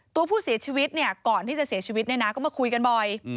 ตัวผู้เสียชีวิตก่อนที่จะเสียชีวิตก็มาคุยกันบ่อย